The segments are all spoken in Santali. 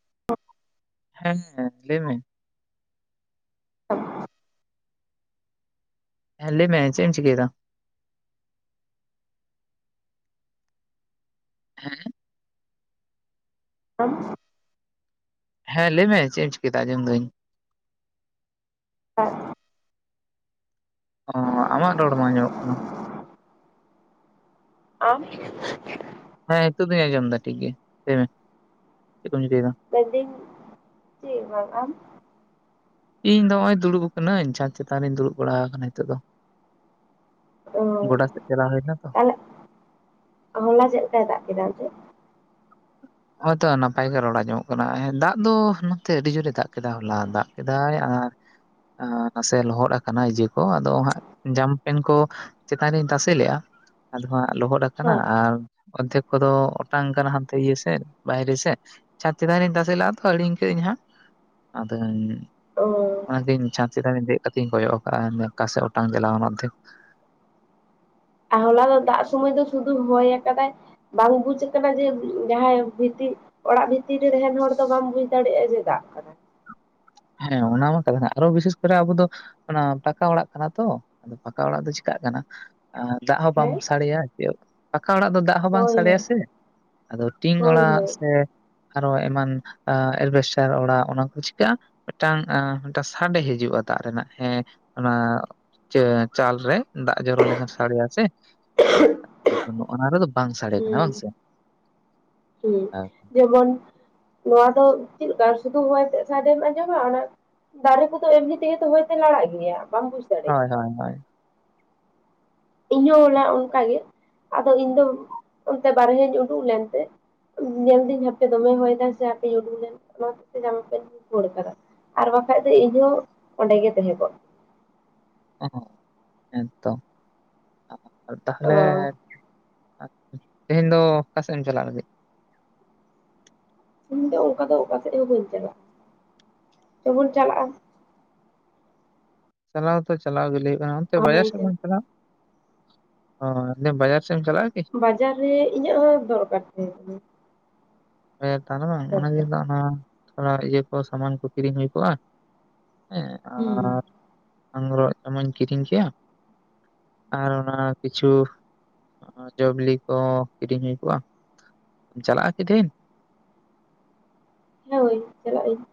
[inaudible] ᱦᱮᱸ ᱞᱟᱹᱭ ᱢᱮ, [inaudible] ᱦᱮᱸᱞᱮᱢᱮ ᱪᱮᱫ ᱮᱢ ᱪᱤᱠᱳᱭᱟ ᱫᱟ, ᱦᱮᱸ ᱟᱢ ᱦᱮᱸ ᱞᱟᱹᱢᱮ ᱪᱮᱫ ᱮᱢ ᱪᱤᱠᱟᱸᱭ ᱫᱟ ᱟᱡᱚᱢ ᱫᱟᱹᱧ, [unintelligible] ᱚ ᱟᱢᱟᱜ ᱨᱚᱲ ᱵᱟᱝ ᱟᱸᱡᱚᱢᱚᱜ ᱠᱟᱱᱟ᱾ ᱟᱢ ᱦᱮᱸ ᱱᱤᱛᱚᱜ ᱫᱩᱧ ᱟᱸᱡᱚᱢ ᱮᱟ ᱴᱷᱤᱠ ᱜᱮᱭᱟ ᱞᱟᱹᱭ ᱵᱤᱱ ᱪᱮᱫ ᱠᱚᱢ ᱪᱤᱠᱟᱹᱭᱮᱫᱟ, ᱞᱮᱭᱫᱤᱧ ᱪᱮᱫ ᱵᱟᱝ ᱟᱢ ᱤᱧ ᱫᱚ ᱱᱚᱜ ᱚᱭ ᱫᱩᱲᱩᱵ ᱟᱠᱟᱱᱟᱹᱧ ᱪᱫᱽ ᱪᱮᱛᱟᱱ ᱨᱤᱧ ᱫᱩᱲᱩᱵ ᱵᱟᱲᱟ ᱟᱠᱟᱱᱟ ᱱᱤᱛᱚᱜ ᱫᱚ, ᱚ ᱜᱚᱰᱟ ᱥᱮᱫ ᱪᱟᱞᱟᱣ ᱦᱩᱭ ᱞᱮᱱᱟ ᱛᱚ ᱛᱟᱦᱚᱞᱮ ᱦᱚᱞᱟ ᱪᱮᱫ ᱞᱮᱠᱟᱭ ᱫᱟᱜ ᱠᱮᱫᱟ ᱮᱱᱛᱮ? [inaudible] ᱦᱚᱜᱭᱛᱚ ᱱᱟᱯᱟᱭ ᱜᱮ ᱨᱚᱲᱟ ᱟᱡᱚᱢᱚᱜ ᱠᱟᱱᱟ ᱫᱟᱜ ᱫᱚ ᱱᱚᱛᱮ ᱟᱹᱰᱤ ᱡᱳᱨᱮ ᱫᱟᱜ ᱠᱮᱫᱟ ᱦᱚᱞᱟ ᱫᱟᱜ ᱠᱮᱫᱟᱭ ᱟᱨ ᱚ ᱱᱟᱥᱮ ᱞᱚᱦᱚᱫ ᱟᱠᱟᱱᱟ ᱤᱡᱮ ᱠᱚ ᱟᱫᱚ ᱦᱜ ᱡᱟᱢᱯᱮᱱ ᱠᱚ, ᱪᱮᱛᱟᱱ ᱨᱤᱧ ᱛᱟᱥᱮ ᱞᱮᱼᱟ ᱟᱫᱚ ᱦᱟᱸᱜ ᱞᱚᱦᱚᱫ ᱠᱟᱱᱟ ᱟᱨ ᱚᱨᱫᱷᱮᱠ ᱠᱚᱫᱚ ᱚᱴᱟᱝ ᱠᱟᱱᱟ, ᱭᱤᱭᱟᱹ ᱥᱮᱫ ᱵᱟᱭᱨᱮ ᱥᱮᱫ ᱪᱷᱟᱛ ᱪᱮᱛᱟᱱᱨᱤᱧ ᱛᱟᱥᱮ ᱞᱟᱜᱼᱟ ᱛᱚ ᱦᱲᱤᱧ ᱠᱟᱹᱫ ᱟᱹᱧ ᱦᱟᱸᱜ, ᱟᱫᱚ ᱚ ᱚᱱᱟᱛᱮᱧ ᱪᱷᱟᱸᱫᱪᱮᱛᱟᱱ ᱨᱮᱧ ᱫᱮᱡ ᱠᱟᱛᱮᱧ ᱠᱚᱭᱚᱜ ᱟᱠᱟᱜᱼᱟ ᱱᱚᱠᱟᱥᱮᱫ ᱚᱴᱟᱝ ᱪᱟᱞᱟᱣ ᱱᱟ ᱚᱨᱫᱷᱮᱠ ᱟᱨ ᱦᱚᱞᱟ ᱫᱚ ᱫᱟᱜ ᱥᱩᱚᱢᱚᱭ ᱫᱚ ᱥᱩᱫᱩ ᱦᱚᱭ ᱟᱠᱟᱫᱟᱭ, ᱵᱟᱝ ᱵᱩᱡ ᱟᱠᱟᱱᱟ ᱡᱮ ᱡᱟᱦᱟᱸᱭ ᱵᱷᱤᱛᱤ ᱚᱲᱟᱜ ᱵᱷᱤᱛᱤᱨ ᱨᱮ ᱛᱟᱦᱮᱱ ᱦᱚᱲ ᱫᱚ ᱵᱟᱢ ᱵᱩᱡ ᱫᱟᱲᱮᱭᱟᱜᱼᱟ ᱡᱮ ᱫᱟᱜ ᱠᱟᱱᱟ, ᱦᱮᱸ ᱚᱱᱟ ᱢᱟ ᱠᱟᱛᱷᱟ ᱟᱨᱚ ᱵᱤᱥᱮᱥ ᱠᱚᱨᱮ ᱟᱵᱚ ᱫᱚ ᱚᱱᱟ ᱯᱟᱟᱠᱟ ᱚᱲᱟᱜ ᱠᱟᱱᱟ ᱛᱚ ᱟᱫᱚ ᱯᱟᱠᱟ ᱚᱲᱟᱜ ᱫᱚ ᱪᱤᱠᱟᱜ ᱠᱟᱱᱟ ᱫᱟᱜ ᱦᱚᱸ ᱵᱟᱢ ᱦᱮᱸ ᱥᱟᱰᱮᱭᱟ ᱪ ᱯᱟᱠᱟ ᱚᱲᱟᱜ ᱫᱚ ᱫᱟᱜ᱾ ᱵᱟᱝ ᱦᱳᱭ ᱦᱳᱭ ᱥᱟᱰᱮᱭᱟ ᱥᱮ ᱟᱫᱚ ᱴᱤᱧ ᱦᱳᱭ ᱚᱲᱟᱜ ᱦᱳᱭ ᱥᱮ ᱟᱨᱚ ᱮᱢᱟᱱ ᱮᱞᱵᱮᱥᱴᱟᱨ ᱚᱲᱟᱜ ᱚᱱᱟ ᱠᱚ ᱪᱤᱠᱟᱹᱜᱼᱟ ᱢᱤᱫᱴᱟᱝ ᱢᱤᱫᱴᱟᱝ ᱥᱟᱰᱮ ᱦᱤᱡᱩᱜᱼᱟ ᱫᱟᱜ ᱨᱮᱱᱟᱜ ᱦᱮᱸ ᱚᱱᱟ ᱪᱟᱞ ᱨᱮ, ᱫᱟᱜ ᱡᱚᱨᱚ ᱞᱮᱱᱠᱷᱟᱱ ᱥᱟᱰᱮᱭᱟ ᱥᱮ, ᱱᱚᱜ ᱚᱱᱟ ᱨᱮᱫᱚ ᱵᱟᱝ ᱥᱟᱰᱮ ᱠᱟᱱᱟ ᱦᱩᱸ ᱵᱟᱝ ᱥᱮ ᱦᱩᱸ ᱡᱮᱢᱚᱱ ᱱᱚᱣᱟ ᱫᱚ ᱪᱮᱫ ᱠᱟ ᱥᱤᱫᱷᱩ ᱦᱚᱭ ᱛᱮᱫ ᱥᱟᱰᱮᱢ ᱟᱸᱡᱚᱢᱟ ᱚᱱᱟ ᱫᱟᱨᱮ ᱠᱚᱫᱚ ᱮᱢᱱᱤ ᱛᱮᱜᱮᱚ ᱦᱚᱳᱭ ᱞᱟᱲᱟᱜ ᱜᱮᱭᱟ ᱵᱟᱢ ᱵᱩ ᱫᱟᱲᱮᱭᱟᱜᱼᱟ, ᱦᱳᱭ ᱦᱳᱭ ᱦᱳᱭ ᱤᱧᱦ ᱚᱞᱟ ᱚᱱᱠᱟᱟᱜᱮ ᱟᱫᱚ ᱤᱧ ᱫᱚ ᱚᱱᱛᱮ ᱵᱟᱨᱦᱮᱧ ᱩᱰᱩᱠ ᱞᱮᱱᱛᱮ, ᱧᱮᱞ ᱫᱟᱹᱧ ᱦᱟᱯᱮ ᱫᱚᱢᱮ ᱦᱚᱭᱮᱫᱟ ᱥᱮ ᱦᱟᱯᱮ ᱩᱰᱩ ᱞᱮᱱ ᱚᱱᱟ ᱠᱷᱟᱹᱛᱤᱨ ᱟᱢ ᱯᱮᱧ ᱠᱚ ᱠᱷᱳᱲ ᱟᱠᱟᱫᱟ, ᱟᱨ ᱵᱟᱠᱷᱟᱡ ᱫᱚ ᱤᱢᱳ ᱚᱸᱰᱮ ᱜᱮ ᱛᱟᱦᱮᱸ ᱠᱚᱜ ᱚ ᱦᱮᱸᱛᱚ ᱛᱟᱦᱚᱞᱮ ᱟᱪᱪᱷᱟ ᱛᱮᱦᱮᱧ ᱫᱚ ᱚᱠᱟ ᱥᱮᱫ ᱮᱢ ᱪᱟᱞᱟᱜ ᱞᱟᱹᱜᱤᱫ? ᱤᱧ ᱫᱚ ᱚᱱᱠᱟ ᱫᱚ ᱚᱠᱟ ᱥᱮᱫ ᱦᱚᱸ ᱵᱟᱹᱧ ᱪᱟᱞᱟᱜᱼᱟ ᱪᱚ ᱵᱚᱱ ᱪᱟᱞᱟᱜᱼᱟ ᱪᱟᱞᱟᱣ ᱛᱚ ᱪᱟᱞᱟᱣ ᱜᱮ ᱞᱟᱹᱭ ᱦᱩᱭᱩᱜ ᱠᱟᱱᱟ ᱚᱱᱛᱮ ᱵᱟᱡᱟᱨ ᱦᱳᱭ ᱥᱮᱫ ᱵᱚᱱ ᱪᱟᱞᱟᱜᱟ, ᱚ ᱵᱟᱡᱟᱨ ᱥᱮᱫ ᱮᱢ ᱪᱟᱞᱟᱜᱼᱟ ᱠᱤ? ᱵᱟᱡᱟᱨ ᱨᱮ ᱤᱧᱟᱹᱜ ᱦᱚᱸ ᱫᱚᱨᱠᱟᱨ ᱛᱟᱦᱮᱸ ᱠᱟᱱᱟ, ᱦᱮᱛᱟᱨ ᱵᱟᱝ ᱚᱱᱟ ᱫᱚᱨᱠᱟᱨ ᱫᱤᱱ ᱫᱚ ᱚᱱᱟ ᱛᱷᱚᱲᱟ ᱤᱭᱟᱹ ᱠᱚ ᱥᱟᱢᱟᱱ ᱠᱚ ᱠᱤᱨᱤᱧ ᱦᱩᱭ ᱠᱚᱜᱼᱟ, ᱦᱮᱸ ᱟᱨ ᱦᱩᱸ ᱟᱝᱨᱚᱜ ᱡᱚᱢᱟᱧ ᱠᱤᱨᱤᱧ ᱠᱮᱭᱟ᱾ ᱟᱨ ᱚᱱᱟ ᱠᱤᱪᱷᱩ ᱡᱚᱵᱤᱞᱤ ᱠᱚ ᱠᱤᱨᱤᱧ ᱦᱩᱭ ᱠᱚᱜᱼᱟ ᱪᱟᱞᱟᱜᱼᱟ ᱠᱤ ᱛᱤᱦᱤᱱ? ᱤᱧ ᱫᱚ ᱵᱟᱹᱧ ᱪᱟᱞᱟᱜ ᱟᱹᱧ᱾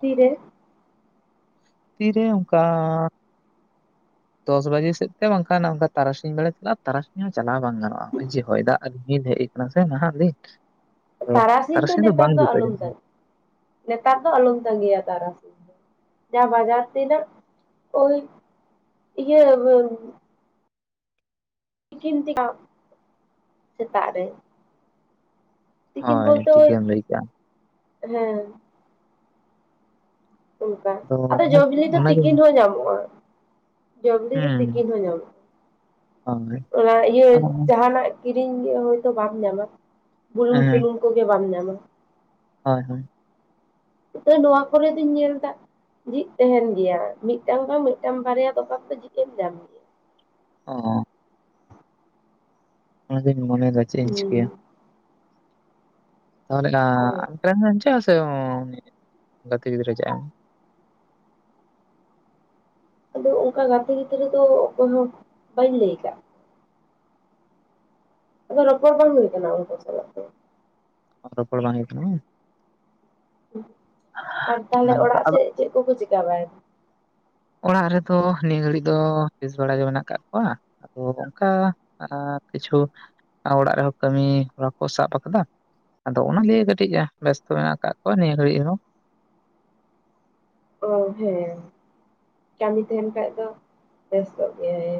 ᱛᱤᱨᱮ? ᱛᱤᱨᱮ ᱚᱝᱠᱟ ᱫᱚᱥ ᱵᱟᱡᱮ ᱥᱮᱫ ᱛᱮ ᱵᱟᱝᱠᱷᱟᱱ ᱚᱱᱠᱟ ᱛᱟᱨᱟᱥᱤᱧ ᱵᱮᱲᱟ [unintelligible] ᱛᱟᱨᱟᱥᱤᱧ ᱦᱚᱸ ᱪᱟᱞᱟᱣ ᱵᱟᱝ ᱜᱟᱱᱚᱜᱼᱟ᱾ ᱦᱚᱭᱼᱚᱜ ᱡᱮ ᱦᱚᱭ ᱫᱟᱜ ᱨᱤᱢᱤᱞ ᱦᱮᱡ ᱠᱟᱱᱟ ᱥᱮ ᱱᱟᱦᱟᱜ ᱫᱤᱱ᱾ ᱛᱚ ᱛᱟᱨᱟᱥᱤᱧ ᱫᱚ ᱱᱮᱛᱟᱨ ᱵᱟᱝ ᱫᱚ ᱡᱩᱛᱩᱜᱼᱟ ᱟᱞᱚᱢ ᱡᱟᱹᱱᱤᱡ ᱛᱟᱞᱟᱜᱼᱟ᱾ ᱱᱮᱛᱟᱨ ᱫᱚ ᱟᱞᱚᱢ ᱛᱟᱸᱜᱤᱭᱟ ᱛᱟᱨᱟᱥᱤᱧ ᱫᱚ᱾ ᱡᱟᱦᱟᱸ ᱵᱟᱡᱟᱨ ᱨᱮᱱᱟᱜ ᱳᱭ ᱤᱭᱟᱹ [unintelligible] ᱥᱮᱛᱟᱜ ᱨᱮ᱾ ᱠᱷᱟᱱ᱾ ᱛᱤᱠᱤᱱ ᱦᱳᱭ ᱵᱚᱞᱛᱮ ᱴᱷᱤᱠ ᱳᱭ ᱜᱮᱢ ᱞᱟᱹᱭ ᱠᱮᱜᱼᱟ ᱦᱮᱸ᱾ ᱚᱱᱠᱟ ᱟᱫᱚ ᱚᱱᱟ ᱡᱚᱵᱤᱞᱤ ᱫᱚ ᱚᱱᱟᱜᱤᱧ ᱛᱤᱠᱤᱱ ᱨᱮᱦᱚᱸ ᱧᱟᱢᱚᱜᱼᱟ ᱡᱚᱢ ᱧᱩ ᱫᱚ ᱦᱩᱸ ᱛᱤᱠᱤᱱ ᱦᱚᱸ ᱧᱟᱢᱚᱜᱼᱟ ᱦᱳᱭ ᱚᱱᱟ ᱤᱭᱟᱹ ᱟᱫᱚ ᱡᱟᱦᱟᱱᱟᱜ ᱠᱤᱨᱤᱧ ᱜᱮ ᱦᱳᱭᱛᱚ ᱵᱟᱢ ᱧᱟᱢᱟ ᱵᱩᱞᱩᱝ ᱦᱮᱸ ᱥᱩᱱᱩᱢ ᱠᱚᱜᱮ ᱵᱟᱢ ᱧᱟᱢᱟ, ᱦᱳᱭ ᱦᱳᱭ ᱛᱟᱹᱣ ᱱᱚᱣᱟ ᱠᱚᱨᱮ ᱫᱩᱧ ᱧᱮᱞ ᱫᱟ᱾ ᱡᱷᱤᱡ ᱛᱟᱦᱮᱱ ᱜᱮᱭᱟ ᱾ ᱢᱤᱫᱴᱟᱝ ᱵᱟᱝ ᱢᱤᱫᱴᱟᱝ ᱵᱟᱨᱭᱟ ᱫᱚᱠᱟᱱ ᱫᱚ ᱡᱷᱤᱡ ᱮᱢ ᱧᱟᱢ ᱜᱮ᱾ ᱚᱻ ᱚᱱᱟ ᱫᱚᱧ ᱢᱚᱱᱮᱭ ᱫᱟ ᱪᱮᱜ ᱤᱧ ᱪᱤᱠᱟᱹᱭᱟ᱾ ᱦᱩᱸ ᱛᱟᱦᱚᱞᱮ [inaudible] ᱜᱟᱛᱮ ᱜᱤᱫᱽᱨᱟᱹ ᱪᱮᱫᱼᱟ ᱟᱫᱚ ᱚᱱᱠᱟ ᱜᱟᱛᱮ ᱜᱤᱫᱽᱨᱟᱹ ᱫᱚ ᱚᱠᱚᱭ ᱦᱚᱸ ᱵᱟᱹᱧ ᱞᱟᱹᱭ ᱠᱟᱜ ᱟᱫᱚ ᱨᱚᱯᱚᱲ ᱵᱟᱝ ᱦᱳᱭ ᱠᱟᱱᱟ ᱩᱝᱠᱩ ᱥᱟᱞᱟᱜ ᱫᱚ᱾ ᱨᱚᱯᱚᱲ ᱵᱟᱝ ᱦᱳᱭ ᱠᱟᱱᱟ ᱵᱟᱝ᱾ ᱟᱨ ᱛᱟᱦᱚᱞᱮ ᱚᱱᱟ ᱚᱲᱟᱜ ᱟᱫᱚ ᱥᱮᱜ ᱪᱮᱜ ᱠᱚᱠᱚ ᱪᱤᱠᱟ ᱵᱟᱭ ᱚᱲᱟᱜ ᱨᱮᱫᱚ ᱱᱤᱭᱟᱹ ᱜᱷᱟᱹᱲᱤᱡ ᱫᱚ, ᱵᱮᱥ ᱵᱟᱲᱟ ᱜᱮ ᱢᱮᱱᱟᱜ ᱠᱟᱜ ᱠᱚᱣᱟ᱾ ᱟᱫᱚ ᱚᱱᱠᱟ ᱠᱤᱪᱷᱩ ᱚᱲᱟᱜ ᱨᱮᱦᱚᱸ ᱠᱟᱹᱢᱤ ᱦᱚᱨᱟ ᱠᱚ ᱥᱟᱵ ᱟᱠᱟᱫᱟ᱾ ᱟᱫᱚ ᱚᱱᱟ ᱞᱤᱭᱮ ᱠᱟᱹᱴᱤᱡ ᱵᱮᱥᱛᱚ ᱢᱮᱱᱟᱜ ᱟᱠᱟᱫ ᱠᱚᱣᱟ ᱱᱤᱭᱟᱹ ᱜᱷᱟᱹᱲᱤᱡ ᱦᱚᱸ ᱚ ᱦᱮᱸ ᱠᱟᱹᱢᱤ ᱛᱟᱦᱮᱱ ᱠᱷᱟᱡ ᱫᱚ ᱵᱮᱥᱛᱚᱜ ᱜᱮᱭᱟᱭ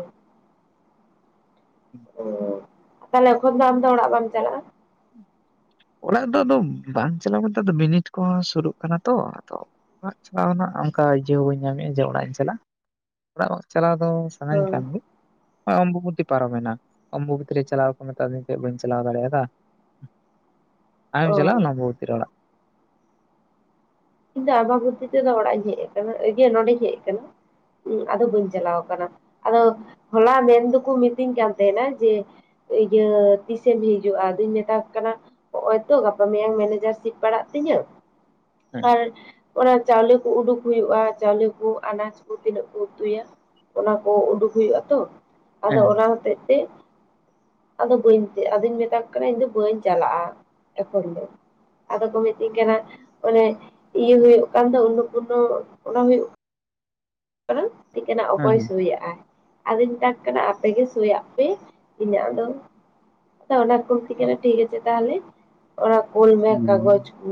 ᱛᱟᱦᱚᱞᱮ ᱮᱠᱷᱚᱱ ᱫᱚ ᱟᱢ ᱫᱚ ᱚᱲᱟᱜ ᱵᱟᱢ ᱪᱟᱞᱟᱜᱼᱟ᱾ ᱚᱲᱟᱜ ᱫᱚ ᱟᱫᱚ ᱵᱟᱝ ᱪᱟᱞᱟᱣ ᱵᱚᱞᱛᱮ ᱵᱤᱱᱤᱴ ᱠᱚᱦᱚᱸ ᱥᱩᱨᱩᱜ ᱠᱟᱱᱟ ᱛᱚ ᱟᱫᱚ ᱚᱲᱟᱜ ᱪᱟᱞᱟᱣ ᱨᱮᱱᱟᱜ ᱚᱱᱠᱟ ᱤᱭᱟᱹ ᱦᱚᱸ ᱵᱟᱹᱧ ᱧᱟᱢᱮᱫᱼᱟ ᱡᱮ ᱚᱲᱟᱜ ᱤᱧ ᱪᱟᱞᱟᱜᱼᱟ ᱚᱲᱟᱜ ᱚ ᱪᱟᱞᱟᱣ ᱫᱚ ᱥᱟᱱᱟᱧ ᱦᱳᱭ᱾ ᱠᱟᱱ ᱜᱮ ᱚᱢᱵᱚᱵᱚᱛᱤ ᱯᱟᱨᱚᱢᱮᱱᱟ ᱚᱢᱵᱚᱵᱩᱛᱤ ᱨᱮ ᱪᱟᱞᱟᱣ ᱠᱚ ᱢᱮᱛᱟᱫᱤᱧ ᱛᱟᱸᱦᱮᱫ ᱵᱟᱹᱧ ᱪᱟᱞᱟᱣ ᱫᱟᱲᱮᱭᱟᱫᱟ ᱟᱢᱮᱢ ᱚ ᱪᱟᱞᱟᱣ ᱞᱮᱱᱟ ᱚᱢᱵᱚᱵᱩᱛᱤ ᱨᱮ ᱚᱲᱟᱜ ᱤᱧ ᱫᱚ ᱟᱢᱵᱟᱵᱩᱛᱤ ᱛᱮᱫᱚ ᱚᱲᱟᱜ ᱤᱧ ᱦᱮᱡ ᱟᱠᱟᱱᱟ ᱤᱣᱟᱹ ᱱᱚᱸᱰᱮᱧ ᱦᱮᱡ ᱟᱠᱟᱱᱟ᱾ ᱟᱫᱚ ᱵᱟᱹᱧ ᱪᱟᱞᱟᱣ ᱠᱟᱱᱟ᱾ ᱟᱫᱚ ᱦᱚᱞᱟ ᱢᱮᱱ ᱫᱚᱠᱚ ᱢᱤᱛᱟᱹᱧ ᱠᱟᱱ ᱛᱟᱦᱮᱸᱱᱟ ᱡᱮ ᱤᱭᱟᱹ ᱛᱤᱥᱮᱢ ᱦᱤᱡᱩᱜᱼᱟ ᱟᱫᱚᱧ ᱢᱮᱛᱟᱠᱚ ᱠᱟᱱᱟ ᱱᱚᱜ ᱚᱚᱭ ᱛᱚ ᱜᱟᱯᱟ ᱢᱮᱭᱟᱝ ᱢᱮᱱᱮᱡᱟᱨ ᱥᱤᱴ ᱯᱟᱲᱟᱜ ᱛᱤᱧᱟᱹ ᱦᱮᱸ ᱟᱨ ᱚᱱᱟ ᱪᱟᱣᱞᱮ ᱠᱚ ᱩᱰᱩᱠ ᱦᱩᱭᱩᱜᱼᱟ ᱪᱟᱣᱞᱮ ᱠᱚ ᱟᱱᱟᱡ ᱠᱚ ᱛᱤᱱᱟᱹᱜ ᱠᱩ ᱩᱛᱩᱭᱟ ᱚᱱᱟ ᱠᱚ ᱩᱰᱩᱠ ᱦᱩᱭᱩᱜ ᱟᱛᱚ ᱟᱫᱚ ᱦᱮᱸ ᱚᱱᱟ ᱦᱚᱛᱮᱜ ᱛᱮ ᱟᱫᱚ ᱵᱟᱹᱧ ᱟᱫᱚᱧ ᱢᱮᱛᱟᱠᱚ ᱠᱟᱱᱟ ᱤᱧ ᱫᱚ ᱵᱟᱹᱧ ᱪᱟᱞᱟᱜᱼᱟ ᱮᱠᱷᱚᱱ ᱫᱚ᱾ ᱟᱫᱚ ᱠᱚ ᱢᱤᱛᱟᱹᱧ ᱠᱟᱱᱟ ᱚᱱᱮ ᱤᱭᱟᱹ ᱦᱩᱭᱩᱜ ᱠᱟᱱ ᱫᱚ ᱩᱱᱱᱚᱯᱩᱱᱱᱚ ᱚᱱᱟ ᱦᱩᱭᱩᱜ ᱢᱤᱛᱟᱹᱧ ᱠᱟᱱᱟ ᱚᱠᱚᱭ ᱦᱮᱸ ᱥᱩᱭ ᱟᱜᱼᱟᱭ ᱟᱫᱚᱧ ᱢᱮᱛᱟ ᱠᱚ ᱠᱟᱱᱟ ᱟᱯᱮᱜ ᱜᱮ ᱥᱳᱭᱟᱜ ᱯᱮ ᱤᱧᱟᱹᱜ ᱫᱚ᱾ ᱚᱱᱟ ᱠᱚ ᱢᱤᱛᱟᱹᱧ ᱦᱮᱸ ᱠᱟᱱᱟ ᱴᱷᱤᱠ ᱟᱪᱮ ᱛᱟᱦᱚᱞᱮ ᱚᱱᱟ ᱠᱳᱞ ᱢᱮ ᱦᱮᱸ ᱠᱟᱜᱡᱽ ᱠᱚ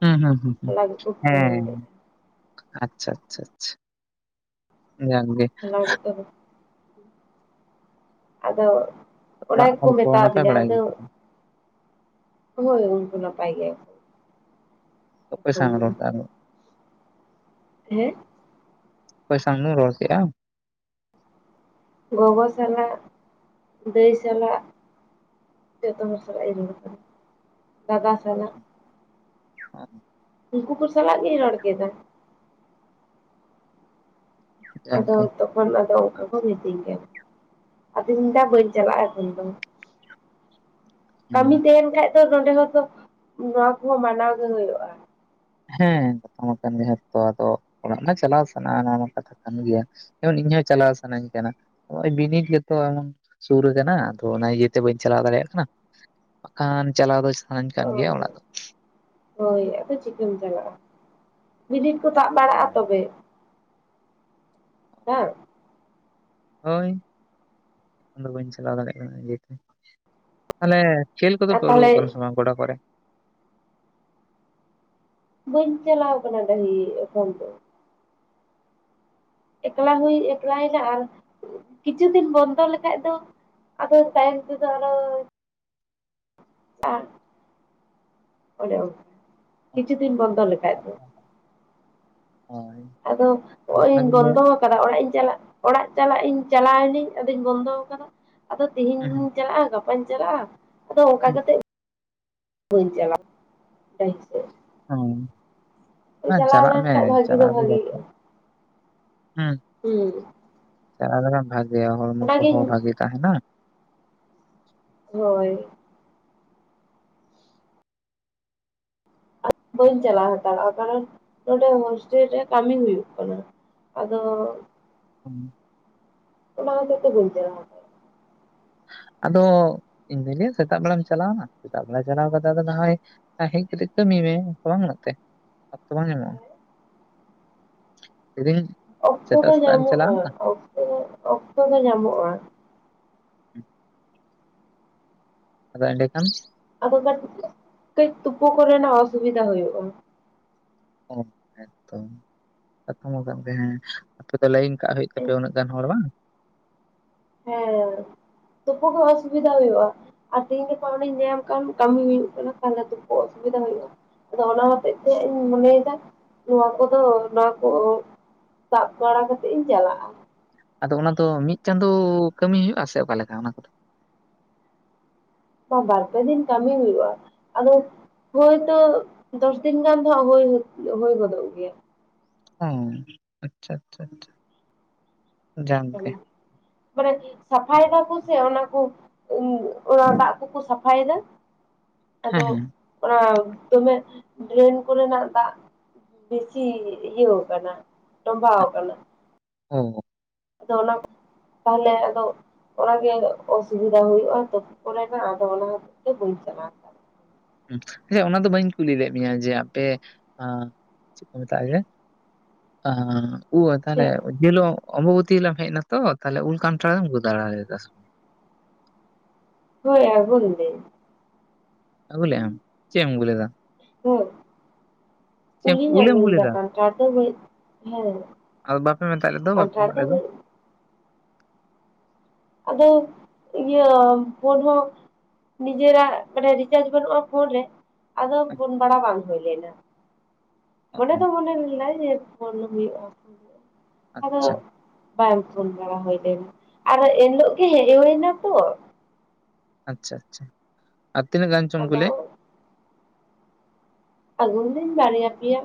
ᱦᱩᱸ ᱦᱩᱸ ᱦᱩᱸ ᱦᱩᱸ ᱦᱚᱞᱟ ᱜᱮᱠᱚ ᱦᱮᱻ ᱯᱷᱳᱱ ᱞᱮᱫᱟ ᱟᱪᱪᱷᱟ ᱟᱪᱪᱷᱟ ᱟᱪᱪᱷᱟ᱾ ᱡᱚᱜ ᱜᱮ ᱚᱱᱟᱜᱮ ᱛᱚᱵᱮ ᱟᱫᱚ ᱚᱱᱟ ᱚᱲᱟᱜ ᱜᱮᱠᱚ ᱦᱚᱲ ᱠᱚ ᱢᱮᱛᱟᱣ ᱱᱟᱯᱟᱭ ᱫᱤᱧᱟ ᱵᱟᱲᱟ ᱟᱫᱚ ᱜᱮᱭᱟ ᱠᱚ? ᱦᱳᱭ ᱩᱱᱠᱩ ᱱᱟᱯᱟᱭ ᱜᱮ ᱚᱠᱚᱭ ᱥᱟᱣ ᱨᱚᱲ ᱫᱟ ᱟᱨᱦᱚ ᱦᱮᱸ ᱚᱠᱚᱭ ᱥᱟᱢ ᱨᱚᱲ ᱠᱮᱫᱼᱟᱢ ᱜᱚᱜᱚ ᱥᱟᱞᱟᱜ ᱫᱟᱹᱭ ᱥᱟᱞᱟᱜ ᱡᱚᱛᱚ ᱦᱚᱲ ᱥᱟᱞᱟᱜ ᱤᱫᱤ ᱟᱠᱟᱱᱟ ᱫᱟᱫᱟ ᱥᱟᱞᱟᱜ [unintelligible] ᱩᱱᱠᱩ ᱠᱚ ᱥᱟᱞᱟᱜ ᱜᱤᱧ ᱨᱚᱲ ᱠᱮᱫᱟ᱾ ᱡᱟᱠ ᱟᱫᱚ ᱜᱮ ᱛᱚᱠᱷᱚᱱ ᱟᱫᱚ ᱚᱱᱠᱟ ᱠᱚ ᱢᱤᱛᱟᱹᱧ ᱠᱟᱱᱟ ᱟᱫᱚ ᱢᱮᱱᱫᱟ ᱵᱟᱹᱧ ᱪᱟᱞᱟᱜᱼᱟ ᱮᱠᱷᱚᱱ ᱫᱚ ᱠᱟᱹᱢᱤ ᱦᱩᱸ ᱛᱟᱦᱮᱱ ᱠᱷᱟᱡ ᱫᱚ ᱱᱚᱸᱰᱮ ᱦᱚᱸᱛᱚ ᱱᱚᱣᱟ ᱠᱚᱦᱚᱸ ᱢᱟᱱᱟᱣ ᱜᱮ ᱦᱩᱭᱩᱜᱼᱟ᱾ ᱦᱮᱸ ᱠᱟᱛᱷᱟ ᱠᱟᱱ ᱜᱮᱛᱚ ᱟᱫᱚ ᱚᱲᱟᱜ ᱢᱟ ᱪᱟᱞᱟᱣ ᱥᱟᱱᱟ ᱚᱱᱟ ᱢᱟ ᱠᱟᱛᱷᱟ ᱠᱟᱱ ᱜᱮᱭᱟ᱾ [unintelligible] ᱤᱧ ᱦᱚᱸ ᱪᱟᱞᱟᱣ ᱥᱟᱱᱟᱧ ᱠᱟᱱᱟ ᱾ᱱᱚᱜ-ᱚᱭ ᱵᱤᱱᱤᱰ ᱜᱮᱛᱚ ᱥᱩᱨ ᱠᱟᱱᱟ ᱟᱫᱚ ᱚᱱᱟ ᱤᱭᱟᱹᱛᱮ ᱵᱟᱹᱧ ᱪᱟᱞᱟᱣ ᱫᱟᱲᱮᱭᱟᱜ ᱠᱟᱱᱟ ᱵᱟᱠᱷᱟᱱ ᱪᱟᱞᱟᱣ ᱫᱚ ᱥᱟᱱᱟᱧ ᱚ ᱠᱟᱱ ᱜᱮᱭᱟ ᱚᱱᱟ ᱫᱚ ᱦᱳᱭ ᱟᱫᱚ ᱪᱤᱠᱟᱹᱢ ᱪᱟᱞᱟᱜᱼᱟ᱾ᱵᱤᱱᱤᱰ ᱠᱚ ᱛᱟᱵ ᱵᱟᱲᱟᱜᱼᱟ ᱦᱳᱭ ᱛᱚᱵᱮ ᱦᱮᱸ ᱦᱳᱭ ᱮᱠᱷᱚᱱ ᱫᱚ ᱵᱟᱹᱧ ᱪᱟᱞᱟᱣ ᱫᱟᱲᱮᱜ ᱠᱟᱱᱟ ᱤᱭᱟᱹᱛᱮ ᱛᱟᱞᱮ ᱠᱷᱮᱞ ᱠᱚᱫᱚ ᱟᱨ ᱯᱮ ᱛᱟᱦᱚᱞᱮ ᱳᱰᱳᱠᱚᱜ ᱠᱟᱱᱟ ᱥᱮ ᱵᱟᱝ ᱜᱚᱰᱟ ᱠᱚᱨᱮ? ᱵᱟᱹᱧ ᱪᱟᱞᱟᱣ ᱠᱟᱱᱟ ᱰᱟᱹᱦᱤ ᱮᱠᱷᱚᱱ ᱫᱚ᱾ ᱮᱠᱞᱟ ᱦᱩᱭ ᱮᱠᱞᱮᱱᱟ ᱟᱨ ᱠᱤᱪᱷᱩ ᱫᱤᱱ ᱵᱚᱱᱫᱚ ᱞᱮᱠᱷᱟᱡ ᱫᱚ ᱟᱫᱚ ᱛᱟᱭᱚᱢ ᱛᱮᱫᱚ ᱟᱨᱚ ᱚᱱᱮ ᱠᱤᱪᱷᱩ ᱫᱤᱱ ᱵᱚᱱᱫᱚ ᱞᱮᱠᱷᱟᱡ ᱫᱚ ᱦᱳᱭ ᱟᱫᱚ ᱟᱫᱚ ᱱᱚᱜᱼᱚᱭ ᱚᱱᱟᱜᱮ ᱵᱚᱱᱫᱚ ᱚᱲᱟᱜ ᱤᱧ ᱪᱟᱞᱟᱜ ᱚᱲᱟᱜ ᱪᱟᱞᱟᱜ ᱤᱧ ᱪᱟᱞᱟᱣᱱᱟᱹᱧ ᱟᱫᱚᱧ ᱵᱚᱱᱫᱚ ᱟᱠᱟᱫᱟ ᱟᱫᱚ ᱛᱮᱦᱤᱧ ᱦᱮᱸ ᱦᱩᱸ ᱪᱟᱞᱟᱜᱼᱟ ᱜᱟᱯᱟᱧ ᱪᱟᱞᱟᱜᱼᱟ ᱟᱫᱚ ᱚᱱᱠᱟ ᱦᱩᱸ ᱠᱟᱛᱮ ᱵᱟᱧ ᱪᱟᱞᱟᱜ [unintelligible] ᱦᱳᱭ ᱪᱟᱞᱟᱜ ᱢᱮ ᱞᱮᱱᱠᱷᱟᱡ ᱵᱷᱟᱜᱤ ᱫᱚ ᱪᱟᱞᱟᱣ ᱫᱚᱷᱟ ᱦᱮᱸ ᱦᱮᱸ ᱪᱟᱞᱟᱣ ᱞᱮᱠᱷᱟᱱ ᱵᱷᱟᱜᱮᱭᱟ ᱦᱚᱲᱢᱚ ᱚᱱᱟᱜᱤᱧ ᱠᱚᱦᱚᱸ ᱵᱷᱟᱜᱮ ᱛᱟᱦᱮᱸᱱᱟ᱾ ᱦᱳᱭᱻ᱾ ᱵᱟᱹᱧ ᱪᱟᱞᱟᱣ ᱦᱟᱛᱟᱲᱚᱜᱼᱟ ᱠᱟᱨᱚᱱ, ᱱᱚᱰᱮ ᱦᱳᱥᱴᱮᱞ ᱨᱮ ᱠᱟᱹᱢᱤ ᱦᱩᱭᱩᱜ ᱠᱟᱱᱟ ᱾ ᱟᱫᱚ ᱦᱩᱸ [unintelligible] ᱚᱱᱟ ᱦᱚᱛᱮ ᱛᱮ ᱵᱟᱹᱧ ᱪᱟᱞᱟᱣ-ᱟ᱾ ᱟᱫᱚ ᱤᱧ ᱫᱟᱹᱧ ᱞᱟᱹᱭᱟ ᱥᱮᱛᱟᱜ ᱵᱮᱲᱟᱢ ᱪᱟᱞᱟᱣᱱᱟ ᱥᱮᱛᱟᱜ ᱵᱮᱲᱟᱢ ᱪᱟᱞᱟᱣ ᱱᱟ, ᱥᱮᱛᱟᱜ ᱵᱮᱲᱟ ᱪᱟᱞᱟᱣ ᱠᱟᱛᱮ ᱟᱫᱚ ᱱᱟ ᱦᱚᱭ ᱟᱨ ᱦᱮᱡ ᱠᱟᱛᱮᱫ ᱠᱟᱹᱢᱤ ᱢᱮ ᱚᱱᱠᱟ ᱵᱟᱝ ᱜᱟᱱᱚᱜ ᱛᱮ, ᱚᱠᱛᱚ ᱵᱟᱝ ᱧᱟᱢᱚᱜᱼᱟ? ᱞᱟᱹᱭᱫᱟᱹᱧ ᱚᱠᱛᱚ ᱥᱮᱛᱟᱜ ᱫᱚ ᱥᱮᱛᱟᱜ ᱮᱢ ᱧᱟᱢᱚᱜᱼᱟ, ᱪᱟᱞᱟᱣᱱᱟ ᱚᱠᱛᱚ ᱚᱠᱛᱚ ᱫᱚ ᱧᱟᱢᱚᱜᱼᱟ, ᱟᱫᱚ ᱮᱸᱰᱮᱠᱷᱟᱱ ᱟᱫᱚ ᱠᱷᱟᱱ ᱠᱟᱹᱡ ᱛᱩᱯᱩ ᱠᱚᱨᱮᱱᱟᱜ ᱚᱥᱩᱵᱤᱫᱟ ᱦᱩᱭᱩᱜᱼᱟ᱾ ᱚ ᱦᱮᱸᱛᱚ ᱠᱟᱛᱷᱟ ᱢᱟ ᱠᱟᱱ ᱜᱮ ᱦᱮᱸ ᱟᱯᱮ ᱫᱚ ᱞᱟᱭᱤᱱ ᱠᱟᱜ ᱦᱩᱭᱩᱜ ᱛᱟᱯᱮ ᱦᱮᱸ ᱩᱱᱟᱹ ᱜᱟᱱ ᱦᱚᱲ ᱵᱟᱝ? ᱦᱮᱸ ᱛᱩᱯᱩ ᱠᱚ ᱚᱥᱩᱵᱤᱫᱟ ᱦᱩᱭᱩᱜᱼᱟ᱾ ᱟᱨ ᱛᱤᱦᱤᱧ ᱜᱟᱯᱟ ᱚᱸᱱᱮᱧ ᱧᱟᱹᱭᱟᱢ ᱠᱟᱱ ᱠᱟᱹᱢᱤ ᱦᱩᱭᱩᱜ ᱠᱟᱱᱟ ᱛᱟᱦᱚᱞᱮ ᱛᱩᱯᱩ ᱚᱥᱩᱵᱤᱫᱟ ᱦᱩᱭᱩᱜᱼᱟ᱾ ᱟᱫᱚ ᱚᱱᱟ ᱦᱚᱛᱮᱡ ᱛᱮ ᱤᱧ ᱢᱚᱱᱮᱭᱮᱫᱟ ᱱᱚᱣᱟ ᱠᱚᱫᱚ ᱱᱚᱣᱟ ᱠᱚ ᱥᱟᱵ ᱵᱟᱲᱟ ᱠᱟᱛᱮᱜ ᱤᱧ ᱪᱟᱞᱟᱜᱼᱟ᱾ ᱟᱫᱚ ᱚᱱᱟ ᱫᱚ ᱢᱤᱫ ᱪᱟᱸᱫᱚᱳ ᱠᱟᱹᱢᱤ ᱦᱩᱭᱩᱜᱼᱟ, ᱥᱮ ᱚᱠᱟ ᱞᱮᱠᱟ ᱚᱱᱟ ᱠᱚᱫᱚ? ᱵᱟᱨᱯᱮ ᱫᱤᱱ ᱠᱟᱹᱢᱤ ᱦᱩᱭᱩᱜᱼᱟ ᱟᱫᱚ ᱦᱳᱭᱛᱚ ᱫᱚᱥᱫᱤᱱ ᱜᱟᱱ ᱫᱚ ᱦᱟᱸᱜ ᱦᱩᱭ ᱜᱚᱫᱚᱜ ᱜᱮᱭᱟ᱾ ᱚ ᱟᱪᱪᱷᱟᱻ ᱟᱪᱪᱷᱟᱻ ᱟᱪᱪᱷᱟᱻ᱾ ᱢᱟᱱᱮ ᱥᱟᱯᱷᱟᱭ ᱫᱟᱠᱚ ᱥᱮ ᱚᱱᱟ ᱠᱚ ᱚᱱᱟ ᱫᱟᱜ ᱠᱚᱠᱚ ᱥᱟᱯᱷᱟᱭ ᱫᱟ ᱟᱫᱚ ᱦᱮᱸ ᱦᱮᱸ ᱚᱱᱟ ᱫᱚᱢᱮ ᱰᱨᱮᱱ ᱠᱚᱨᱮᱱᱟᱜ ᱫᱟᱜ ᱵᱮᱥᱤ ᱤᱭᱟᱹ ᱠᱟᱱᱟ ᱛᱚᱵᱟᱣ ᱠᱟᱱᱟ᱾ ᱳᱻ᱾ ᱟᱫᱚ ᱚᱱᱟ, ᱛᱟᱦᱚᱞᱮ ᱟᱫᱚ ᱚᱱᱟᱜ ᱜᱮ ᱚᱥᱩᱵᱤᱫᱟ ᱦᱩᱭᱩᱜᱼᱟ᱾ ᱛᱳᱯᱳ ᱠᱚᱨᱮᱱᱟ ᱟᱫᱚ ᱚᱱᱟ ᱦᱚᱛᱮᱡ ᱛᱮ ᱵᱟᱹᱧ ᱪᱟᱞᱟᱜᱼᱟ᱾ ᱟᱪᱪᱷᱟ ᱚᱱᱟ ᱫᱚ ᱵᱟᱹᱧ ᱠᱩᱞᱤ ᱞᱮᱜ ᱢᱮᱭᱟ ᱡᱮ ᱟᱯᱮ, ᱪᱮᱫ ᱠᱚ ᱢᱮᱛᱟᱜᱼᱟ ᱡᱮ [unintelligible] ᱩᱹ ᱥᱮ ᱛᱟᱦᱚᱞᱮ ᱡᱮ ᱦᱤᱞᱳᱜ ᱟᱢᱵᱚᱵᱚᱛᱤ ᱦᱤᱞᱳᱜ ᱮᱡ ᱱᱟᱛᱚ ᱛᱟᱦᱞᱮ ᱩᱞ ᱠᱟᱱᱴᱷᱟᱲ ᱫᱚᱢ ᱟᱹᱜᱩ ᱫᱟᱨᱟ ᱞᱮᱫᱟ ᱥᱮ ᱵᱟᱝ? ᱦᱳᱭ ᱟᱹᱜᱩ ᱞᱤᱫᱟᱹᱧ᱾ ᱟᱹᱜᱩ ᱞᱮᱟᱢ ᱪᱮᱫ ᱮᱢ ᱟᱹᱜᱩ ᱞᱮᱫᱟ? ᱦᱳᱭ ᱪᱮᱫ ᱩᱞᱤᱧ ᱩᱞ ᱮᱢ ᱩᱞᱮᱢ ᱟᱹᱜᱩ ᱟᱹᱜᱩᱞᱮᱫᱟ ᱞᱮᱫᱟ ᱠᱟᱱᱴᱟᱲ ᱫᱚ ᱵᱟᱹᱧ ᱦᱮᱸ ᱟᱫᱚ ᱵᱟᱯᱮ ᱢᱮᱛᱟᱜ ᱞᱮᱫᱚ ᱵᱟᱯᱮ ᱠᱟᱱᱴᱟᱲ ᱮᱢᱟᱜ ᱫᱚ ᱞᱮᱫᱚ? ᱟᱫᱚ ᱤᱭᱟᱹ ᱯᱷᱳᱱ ᱦᱚᱸ ᱱᱤᱡᱮᱨᱟᱜ ᱢᱟᱱᱮ ᱨᱤᱪᱟᱨᱡ ᱵᱟᱹᱱᱩᱜᱼᱟ ᱯᱷᱳᱱ ᱨᱮ, ᱟᱫᱚ ᱯᱷᱳᱱ ᱵᱟᱲᱟ ᱵᱟᱝ ᱦᱳᱭ ᱞᱮᱱᱟ᱾ ᱢᱚᱱᱮ ᱫᱚ ᱚ ᱦᱩᱭᱞᱮᱱᱟ ᱯᱷᱳᱱ ᱟᱢ ᱦᱳᱭᱯᱜᱼᱟ, ᱟᱫᱚ ᱟᱪᱪᱷᱟ ᱵᱟᱝ ᱯᱷᱳᱱ ᱵᱟᱲᱟ ᱦᱳᱭ ᱞᱮᱱᱟ ᱟᱨ ᱮᱱᱦᱤᱞᱳᱜ ᱜᱮ ᱦᱮᱡ ᱦᱳᱭ ᱱᱟᱛᱚ ᱟᱪᱪᱷᱟ ᱟᱪᱪᱷᱟ ᱟᱨ ᱛᱤᱱᱟᱹᱜ ᱜᱟᱱ ᱪᱚᱢ ᱟᱜᱩ ᱟᱫᱚ ᱞᱮᱜ ᱟᱹᱜᱩᱱ ᱞᱤᱫᱟᱹᱧ ᱵᱟᱨᱭᱟ ᱯᱮᱭᱟ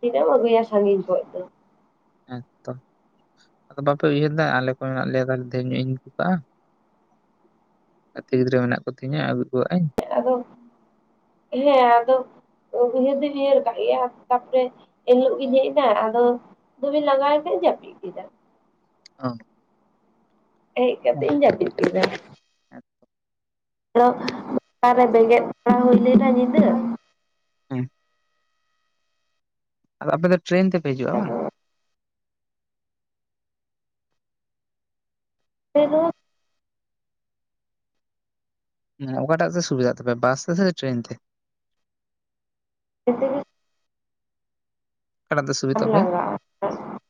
ᱛᱤᱱᱟᱹᱜ ᱮᱢ ᱟᱹᱜᱩᱭᱟ ᱥᱟᱺᱜᱤᱧ ᱠᱷᱚᱡ ᱫᱚ᱾ ᱮᱻᱛᱚ᱾ ᱟᱫᱚ ᱵᱟᱯᱮ ᱩᱭᱦᱟᱹᱨ ᱫᱟ, ᱟᱞᱮ ᱠᱚ ᱢᱮᱱᱟᱜ ᱞᱮᱭᱟ ᱰᱷᱮᱨ ᱧᱚᱜ ᱤᱧ ᱟᱹᱜᱩ ᱠᱟᱜᱼᱟ᱾ ᱜᱟᱛᱮ ᱜᱤᱫᱽᱨᱟᱹ ᱢᱮᱱᱟᱜ ᱠᱚᱛᱤᱧᱟᱹ ᱟᱹᱜᱩ ᱠᱟᱜᱼᱤᱧ᱾ ᱟᱫᱚ ᱦᱮᱸ ᱟᱫᱚ ᱩᱭᱦᱟᱹᱨ ᱫᱩᱧ ᱩᱭᱦᱟᱹᱨ ᱠᱟᱜ ᱜᱮᱭᱟ ᱛᱟᱯᱚᱨᱮ ᱮᱱᱦᱤᱞᱳᱜ ᱜᱤᱧ ᱦᱮᱡ ᱱᱟ ᱟᱫᱚ ᱫᱚᱢᱤᱧ ᱞᱟᱜᱟᱭ ᱱᱟ ᱡᱟᱹᱯᱤᱫ ᱠᱮᱫᱟ᱾ ᱚ ᱦᱮᱡ ᱠᱟᱛᱮᱜ ᱤᱧ ᱡᱟᱹᱯᱤᱫ ᱠᱮᱫᱟ ᱟᱨᱚ [unintelligible] ᱨᱮ ᱵᱮᱸᱜᱮᱫ ᱦᱩᱭ ᱵᱟᱲᱟ ᱞᱮᱱᱟ ᱧᱤᱫᱟᱹ ᱦᱩᱸ ᱟᱫᱚ ᱟᱯᱮ ᱫᱚ ᱴᱨᱮᱱ ᱛᱮᱯᱮ ᱦᱤᱡᱩᱜᱼᱟ ᱵᱟᱝ ᱟᱫᱚ ᱛᱟᱹᱭ ᱨᱮᱦᱚᱸ ᱚᱠᱟᱴᱟᱜ ᱛᱮ ᱥᱩᱵᱤᱫᱷᱟᱜ ᱛᱟᱯᱮ, ᱵᱟᱥ ᱛᱮᱥᱮ ᱴᱨᱮᱱ ᱛᱮ ᱡᱷᱚᱛᱚ ᱜᱮ ᱚᱠᱟᱴᱟᱜ ᱛᱮ ᱥᱩᱵᱤᱫᱷᱟᱜ ᱵᱟᱢ ᱛᱟᱯᱮ [inaudible]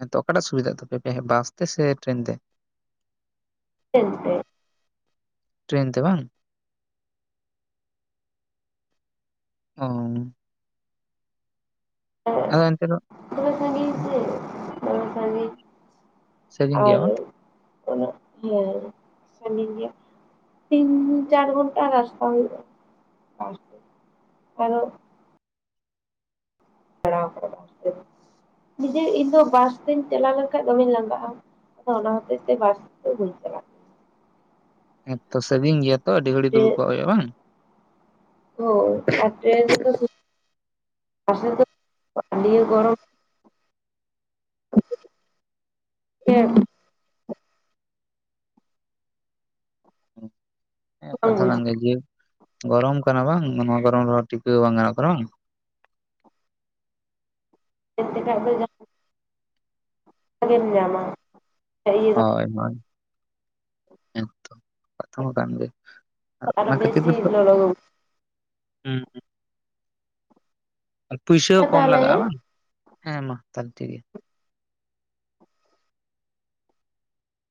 ᱦᱮᱸ ᱛᱚ ᱚᱠᱟᱴᱟᱜ ᱥᱩᱵᱤᱫᱷᱟᱜ ᱛᱟᱯᱮ ᱯᱮ ᱵᱟᱥ ᱛᱮ ᱥᱮ ᱴᱨᱮᱱ ᱛᱮ ᱴᱨᱮᱱ ᱛᱮ ᱴᱨᱮᱱ ᱛᱮ ᱵᱟᱝ ᱚ ᱟᱫᱚ ᱮᱱᱛᱮ ᱨᱮᱦᱚᱸ ᱫᱚᱢᱮ ᱥᱟᱺᱜᱤᱧ ᱥᱮ ᱫᱚᱢᱮ ᱥᱟᱺᱜᱤᱧ ᱥᱟᱺᱜᱤᱧ ᱜᱮᱭᱟ ᱟᱨ ᱵᱟᱝ ᱩᱱᱟᱹᱜ, ᱦᱮᱸ ᱥᱟᱺᱜᱤᱧ ᱜᱮᱭᱟ ᱛᱤᱱ ᱪᱟᱨ ᱜᱷᱚᱱᱴᱟ ᱨᱟᱥᱛᱟ ᱦᱳᱭᱳᱜ-ᱟ [unintelligible] ᱟᱨᱚ [unintelligible] ᱱᱤᱡᱮ ᱤᱧᱫᱚ ᱵᱟᱥ ᱛᱤᱧ ᱪᱟᱞᱟᱣ ᱞᱮᱱᱠᱟᱱ ᱫᱚᱢᱮᱧ ᱞᱟᱸᱜᱟᱜᱼᱟ ᱚᱱᱟ ᱦᱚᱛᱮᱡ ᱛᱮ ᱵᱟᱥ ᱛᱮᱫᱚ ᱵᱟᱹᱧ ᱪᱟᱞᱟᱜ-ᱟ ᱦᱮᱸᱛᱚ ᱥᱟᱺᱜᱤᱧ ᱜᱮᱭᱟ ᱛᱚ ᱟᱹᱰᱤ ᱜᱷᱟᱲᱤ ᱫᱩᱲᱩᱵ ᱴᱨᱮᱱ ᱠᱚᱜ ᱦᱩᱭᱩᱜᱼᱟ ᱵᱟᱝ ᱦᱳᱭ, ᱴᱨᱮᱱ ᱛᱮᱫᱚ [unintelligible] ᱟᱰᱤ ᱜᱚᱨᱚᱢ ᱜᱮ ᱦᱮᱸ ᱵᱟᱝ ᱠᱟᱛᱷᱟ ᱠᱟᱱ ᱵᱩᱡᱷᱟᱹᱜᱼᱟ ᱜᱮ ᱡᱮ ᱜᱚᱨᱚᱢ ᱠᱟᱱᱟ ᱵᱟᱝ ᱱᱚᱣᱟ ᱜᱚᱨᱚᱢ ᱨᱮᱦᱚᱸ ᱴᱤᱠᱟᱹᱣ ᱵᱟᱝ ᱜᱟᱱᱚᱜ ᱠᱟᱱᱟ ᱵᱟᱝ ᱪᱮᱫ ᱞᱮᱠᱟᱭ ᱩᱫᱜᱟᱹᱨ ᱫᱟ ᱚᱠᱟ ᱨᱮᱢ ᱧᱟᱢᱟ ᱤᱭᱟᱹ ᱫᱚ ᱦᱳᱭ ᱦᱳᱭ ᱦᱮᱸ ᱛᱚ ᱠᱟᱛᱷᱟᱢᱟ ᱠᱟᱱ ᱜᱮ ᱟᱫᱚ ᱟᱨᱚ ᱚᱱᱟ ᱠᱷᱟᱹᱛᱤᱨ ᱵᱮᱥᱤ ᱜᱮᱛᱚ ᱞᱚᱞᱚ ᱜᱮ ᱦᱩᱸ ᱦᱩᱸ ᱟᱨ ᱯᱩᱭᱥᱟᱹ ᱦᱚᱸ ᱵᱩᱡᱷᱟᱹᱜᱼᱟ ᱠᱚᱢ ᱞᱟᱜᱟᱜᱼᱟ ᱛᱟᱦᱚᱞᱮ ᱵᱟᱝ ᱦᱮᱸ ᱢᱟ ᱛᱟᱦᱚᱞᱮ ᱴᱷᱤᱠ ᱜᱤᱭᱟ